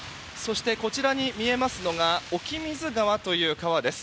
こちらに見えますのが沖水川という川です。